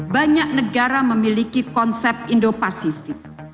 banyak negara memiliki konsep indo pasifik